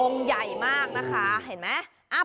ใหญ่มากนะคะเห็นไหม